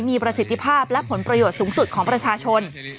มีประสิทธิภาพและผลประโยชน์สูงสุดของประชาชน